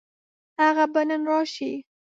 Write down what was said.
هغه به نن راشي.